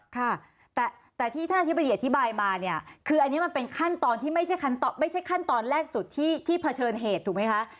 ค่ะแต่ที่ท่านอธิบดีอธิบายมาเนี่ยคืออันนี้มันเป็นขั้นตอนที่ไม่ใช่ขั้นตอนแรกสุดที่เผชิญเหตุถูกไหมคะ